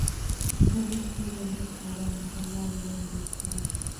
ازادي راډیو د امنیت پر وړاندې د حل لارې وړاندې کړي.